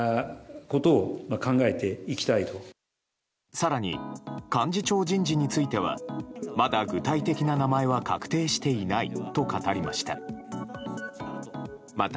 更に、幹事長人事についてはまだ具体的な名前は確定していないと語りました。